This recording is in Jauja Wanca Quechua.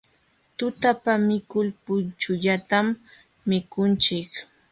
Tutapa mikul puchullatañam mikunchik.